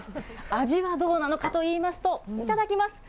味はどうなのかといいますと、いただきます。